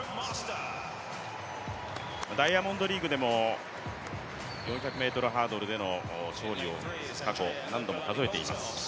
ダイヤモンドリーグでも４００ｍハードルでの勝利を、過去何度も数えています。